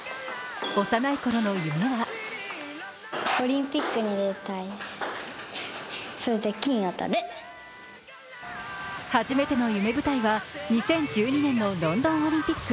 幼いころの夢は初めての夢舞台は２０１２年のロンドンオリンピック。